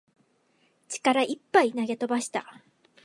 力いっぱい投げ飛ばした